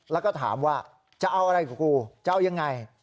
แล้วก็ถามว่าจะเอาอะไรกับกูจะเอายังไง